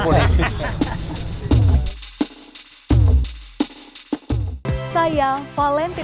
mau kemana pak icao